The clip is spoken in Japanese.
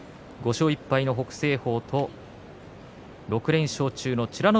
５勝１敗の北青鵬と６連勝中の美ノ